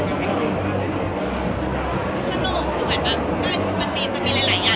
ขอบคุณภาษาให้ด้วยเนี่ย